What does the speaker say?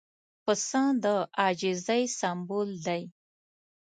پسه د عاجزۍ سمبول دی.